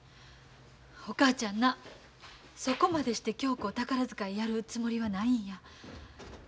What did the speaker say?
お母ちゃんなそこまでして恭子を宝塚へやるつもりはないんや。